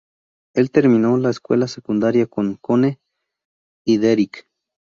Él terminó la escuela secundaria con "Cone" y Deryck.